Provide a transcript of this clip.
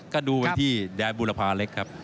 ก็ดูว่าธี่แด้บรภาเด็กครับ